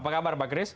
apa kabar pak kris